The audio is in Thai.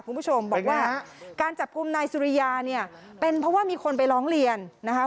คุณผู้ชมบอกว่าการจับกลุ่มนายสุริยาเนี่ยเป็นเพราะว่ามีคนไปร้องเรียนนะคะ